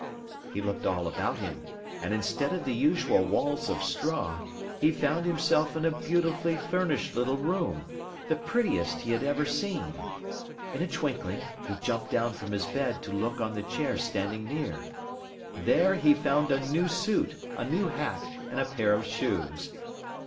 He looked all about him and instead of the usual walls of straw, he found himself in a beautifully furnished little room, the prettiest he had ever seen. In a twinkling, he jumped down from his bed to look on the chair standing near. There, he found a new suit, a new hat, and a pair of shoes.